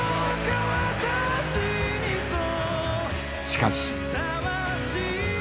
しかし。